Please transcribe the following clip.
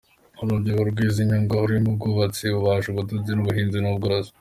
Uru rubyiruko rwize imyuga irimo ubwubatsi, ububaji, ubudozi n’ubuhinzi n’ubworozi.